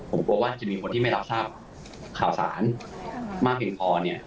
ผมกลัวว่าจะมีคนที่ไม่รับทราบข่าวสารมากเพียงพอเนี่ย